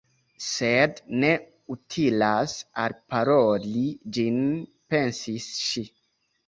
"Sed ne utilas alparoli ĝin," pensis ŝi.